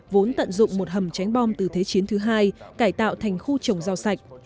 vốn tận dụng một hầm tránh bom từ thế chiến thứ hai cải tạo thành khu trồng rau sạch